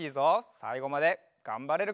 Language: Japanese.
さいごまでがんばれるか？